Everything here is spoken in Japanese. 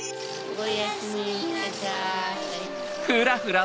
おやすみなさい。